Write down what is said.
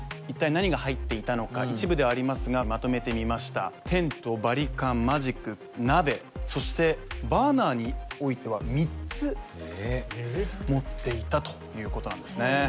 一体何が入っていたのか一部ではありますがまとめてみましたテントバリカンマジック鍋そしてバーナーにおいては３つえっ持っていたということなんですね